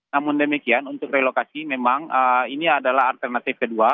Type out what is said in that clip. namun demikian untuk relokasi memang ini adalah alternatif kedua